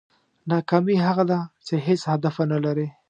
ناکامي هغه ده چې هېڅ هدف ونه لرې.